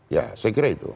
ya saya kira itu